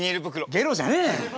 ゲロじゃねえ！